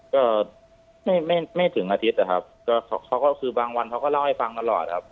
ก็ไม่ไม่ถึงอาทิตย์นะครับก็เขาก็คือบางวันเขาก็เล่าให้ฟังตลอดครับ